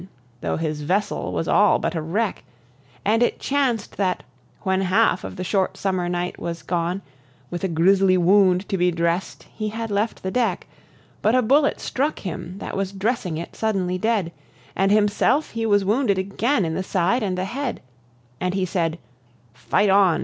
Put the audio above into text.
Tho' his vessel was all but a wreck; And it chanced that, when half of the short summer night was gone, With a grisly wound to be drest he had left the deck, But a bullet struck him that was dressing it suddenly dead, And himself he was wounded again in the side and the head, And he said, "Fight on!